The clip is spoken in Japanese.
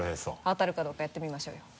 当たるかどうかやってみましょうよ。